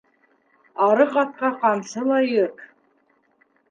Арыҡ атҡа ҡамсы ла йөк.